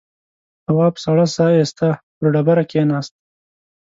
تواب سړه سا ایسته پر ډبره کېناست.